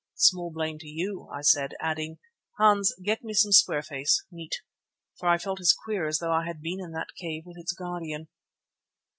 "Small blame to you," I said, adding: "Hans, give me some square face neat." For I felt as queer as though I also had been in that cave with its guardian.